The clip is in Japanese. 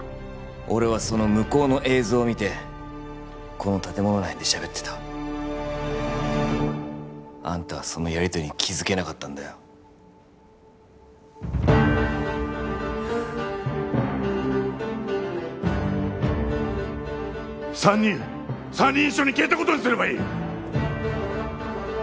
俺はその向こうの映像を見てこの建物内でしゃべってたあんたはそのやりとりに気づけなかったんだよ三人三人一緒に消えたことにすればいい！